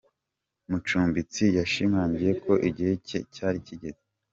Mucumbitsi yashimangiye ko igihe cye cyari kigeze.